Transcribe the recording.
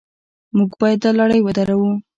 موږ باید دا لړۍ ودروو.